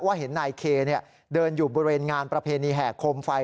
เห็นนายเคเดินอยู่บริเวณงานประเพณีแห่โคมไฟ